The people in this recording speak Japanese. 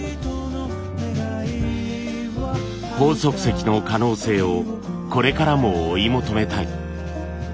鳳足石の可能性をこれからも追い求めたい。